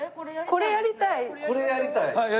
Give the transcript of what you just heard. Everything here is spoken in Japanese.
これやりたい？